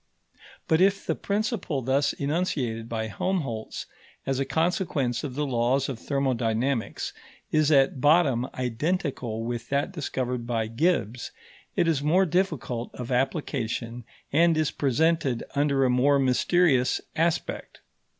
But if the principle thus enunciated by Helmholtz as a consequence of the laws of thermodynamics is at bottom identical with that discovered by Gibbs, it is more difficult of application and is presented under a more mysterious aspect.